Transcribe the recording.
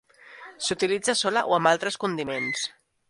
S'utilitza sola o amb altres condiments.